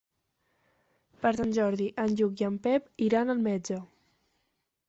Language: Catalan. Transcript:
Per Sant Jordi en Lluc i en Pep iran al metge.